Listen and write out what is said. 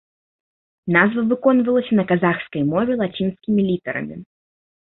Назва выконвалася на казахскай мове лацінскімі літарамі.